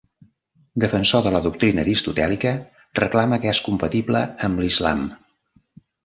Defensor de la doctrina aristotèlica, reclama que és compatible amb l'islam.